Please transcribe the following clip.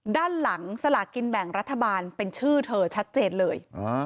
ด้านหลังสลากินแบ่งรัฐบาลเป็นชื่อเธอชัดเจนเลย